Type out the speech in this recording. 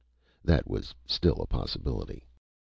That was still a possibility.